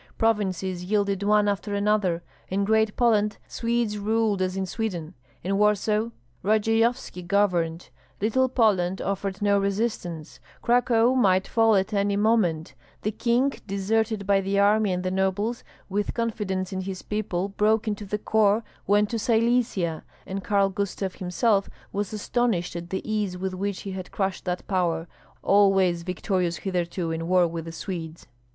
Provinces yielded one after another; in Great Poland Swedes ruled as in Sweden; in Warsaw, Radzeyovski governed; Little Poland offered no resistance; Cracow might fall at any moment; the king, deserted by the army and the nobles, with confidence in his people broken to the core, went to Silesia; and Karl Gustav himself was astonished at the ease with which he had crushed that power, always victorious hitherto in war with the Swedes.